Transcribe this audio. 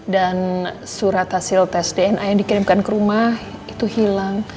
dan surat hasil tes dna yang dikirimkan ke rumah itu hilang